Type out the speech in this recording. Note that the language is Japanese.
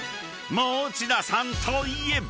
［餅田さんといえば］